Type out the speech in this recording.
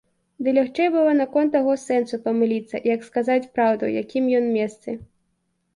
Ды лягчэй было наконт таго сэнсу памыліцца, як сказаць праўду, у якім ён месцы.